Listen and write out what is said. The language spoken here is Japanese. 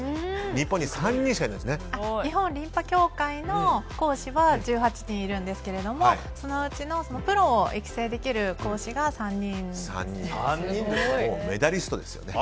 日本リンパ協会の講師は１８人いるんですけれどもそのうちのプロを育成できる講師が３人なんですね。